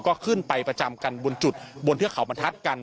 ก็ขึ้นไปประจำกันบนจุดบนเทือกเขาบรรทัศน์กัน